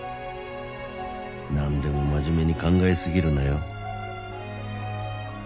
「なんでも真面目に考えすぎるなよ」